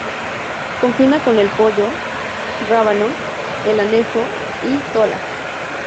Confina con el Poyo, Rábano, el anejo y Tola.